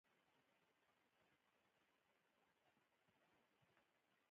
درې واړه شیطانان مو وويشتل او مکې مکرمې ته راغلو.